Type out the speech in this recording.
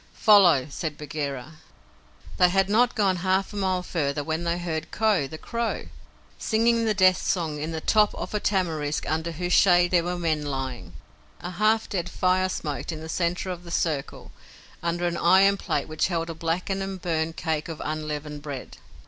"Follow!" said Bagheera. They had not gone half a mile farther when they heard Ko, the Crow, singing the death song in the top of a tamarisk under whose shade three men were lying. A half dead fire smoked in the centre of the circle, under an iron plate which held a blackened and burned cake of unleavened bread.